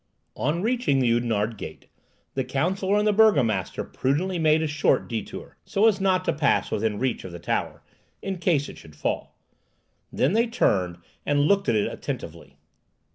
On reaching the Oudenarde gate, the counsellor and the burgomaster prudently made a short detour, so as not to pass within reach of the tower, in case it should fall; then they turned and looked at it attentively.